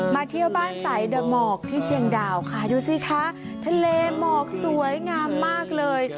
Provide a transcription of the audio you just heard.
เที่ยวบ้านสายเดอร์หมอกที่เชียงดาวค่ะดูสิคะทะเลหมอกสวยงามมากเลย